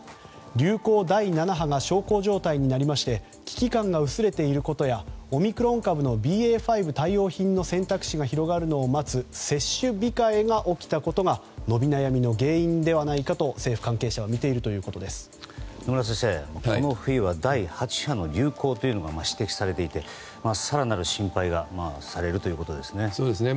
流行第７波が小康状態になりまして危機感が薄れていることやオミクロン株のＢＡ．５対応品の選択肢が広がるのを待つ接種控えが起きたことが伸び悩みの原因ではないかと政府関係者は野村先生、この冬は第８の流行というのが指摘されていて更なる心配がされているということですね。